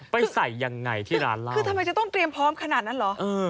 ไปใส่ยังไงที่ร้านล่างคือทำไมจะต้องเตรียมพร้อมขนาดนั้นเหรอเออ